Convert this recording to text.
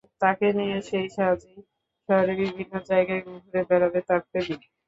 তাকে নিয়ে সেই সাজেই শহরের বিভিন্ন জায়গায় ঘুরে বেড়াবে তার প্রেমিক।